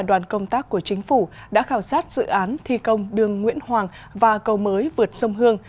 đoàn công tác của chính phủ đã khảo sát dự án thi công đường nguyễn hoàng và cầu mới vượt sông hương